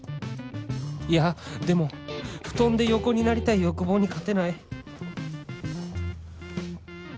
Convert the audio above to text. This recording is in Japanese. いやでも布団で横になりたい欲望に勝てない